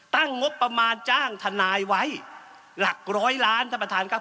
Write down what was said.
ตั้งงบประมาณจ้างทนายไว้หลักร้อยล้านท่านประธานครับ